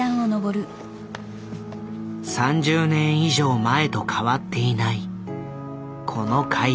３０年以上前と変わっていないこの階段。